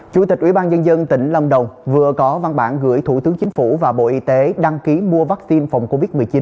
chủ tịch ubnd tỉnh lâm đồng vừa có văn bản gửi thủ tướng chính phủ và bộ y tế đăng ký mua vaccine phòng covid một mươi chín